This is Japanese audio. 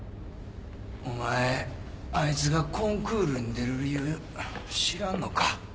お前あいつがコンクールに出る理由知らんのか？